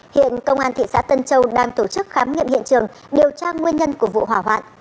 hiện công an thị xã tân châu đang tổ chức khám nghiệm hiện trường điều tra nguyên nhân của vụ hỏa hoạn